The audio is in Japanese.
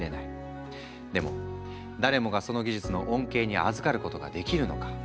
でも誰もがその技術の恩恵にあずかることができるのか？